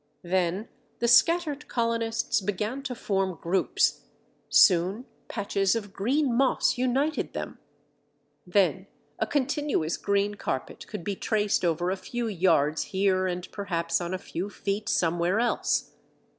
Then the scattered colonists began to form groups; soon patches of green moss united them. Then a continuous green carpet could be traced over a few yards here and perhaps on a few feet somewhere else.